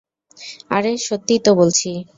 আরে, সত্যিই তো বলছি।